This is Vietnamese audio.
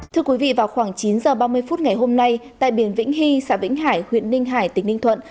thưa quý vị vào khoảng chín h ba mươi phút ngày hôm nay tại biển vĩnh hy xã vĩnh hải huyện ninh hải tỉnh ninh thuận